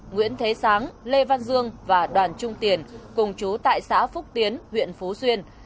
nguyễn thế sáng lê văn dương và đoàn trung tiền cùng chú tại xã phúc tiến huyện phú xuyên